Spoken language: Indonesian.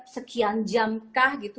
sekian jam kah gitu